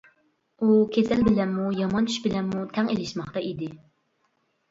ئۇ كېسەل بىلەنمۇ يامان چۈش بىلەنمۇ تەڭ ئېلىشماقتا ئىدى.